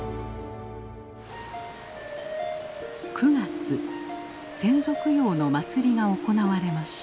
９月先祖供養の祭りが行われました。